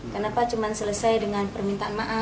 kenapa cuma selesai dengan permintaan maaf